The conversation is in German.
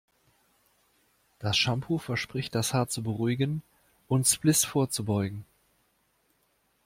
Das Shampoo verspricht das Haar zu beruhigen und Spliss vorzubeugen.